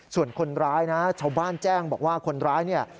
ส่วนคนร้ายนะชาวบ้านแจ้งบอกว่าคนร้ายเนี่ย